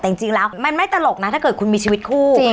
แต่จริงแล้วมันไม่ตลกนะถ้าเกิดคุณมีชีวิตคู่